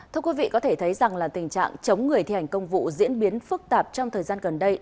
thưa quý vị có thể thấy rằng là tình trạng chống người thi hành công vụ diễn biến phức tạp trong thời gian gần đây